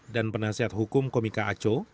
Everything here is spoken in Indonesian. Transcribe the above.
dan penasihat hukum komika aco